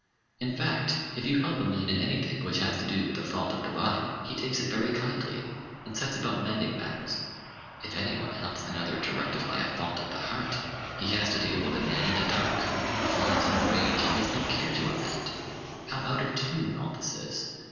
In fact, if you help a man in anything which has to do with a fault of the body, he takes it very kindly, and sets about mending matters. If any one helps another to rectify a fault of the heart, he has to deal with a man in the dark, who flies in a rage, and does not care to amend. How out of tune all this is!